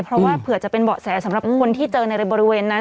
เพราะว่าเผื่อจะเป็นเบาะแสสำหรับคนที่เจอในบริเวณนั้น